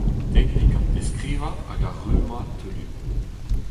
Teknik an deskrivañ hag ar rummañ teulioù.